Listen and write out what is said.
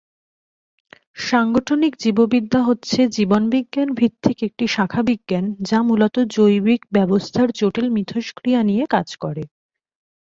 সাংগঠনিক জীববিদ্যা হচ্ছে জীববিজ্ঞান ভিত্তিক একটি শাখা বিজ্ঞান যা মূলতঃ জৈবিক ব্যবস্থার জটিল মিথস্ক্রিয়া নিয়ে কাজ করে।